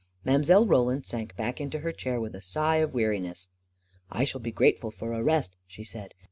Mile. Roland sank back into her chair with a sigh of weariness. 44 1 shall be grateful for a rest," she said.